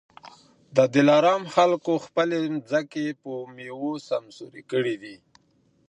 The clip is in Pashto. د دلارام خلکو خپلي مځکې په میوو سمسوري کړي دي